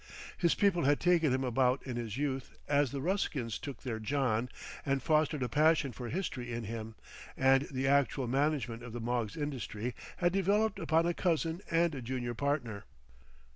His people had taken him about in his youth as the Ruskins took their John and fostered a passion for history in him, and the actual management of the Moggs' industry had devolved upon a cousin and a junior partner.